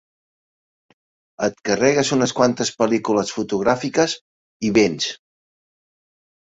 Et carregues unes quantes pel·lícules fotogràfiques i vents.